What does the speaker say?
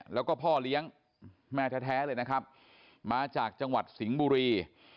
แล้วก็พ่อเลี้ยงแม่แท้เลยนะครับมาจากจังหวัดสิงห์บุรี